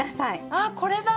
あっこれだ！